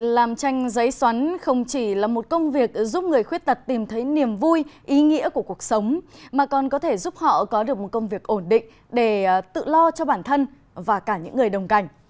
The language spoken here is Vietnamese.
làm tranh giấy xoắn không chỉ là một công việc giúp người khuyết tật tìm thấy niềm vui ý nghĩa của cuộc sống mà còn có thể giúp họ có được một công việc ổn định để tự lo cho bản thân và cả những người đồng cảnh